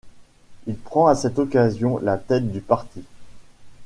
Il prend à cette occasion la tête du parti.